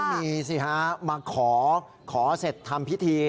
มีสิฮะมาขอขอเสร็จทำพิธี